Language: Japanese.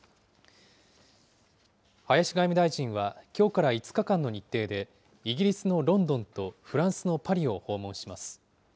林外務大臣は、きょうから５日間の日程で、イギリスのロンドンとフランスのパリを訪問します。